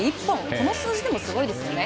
この数字でもすごいですね。